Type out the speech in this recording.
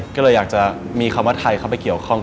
ก็เลยอยากจะมีคำว่าไทยเข้าไปเกี่ยวข้อง